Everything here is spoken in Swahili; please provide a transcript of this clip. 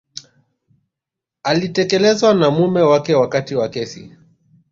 alitelekezwa na mume wake wakati wa kesi